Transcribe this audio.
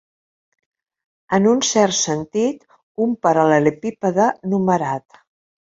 En un cert sentit, un paral·lelepípede numerat.